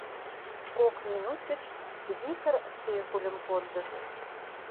Кок минут гыч Вихыр циркульым кондыш.